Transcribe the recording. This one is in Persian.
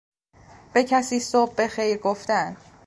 به کسی صبح بخیر گفتن